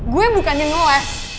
gue bukannya ngewes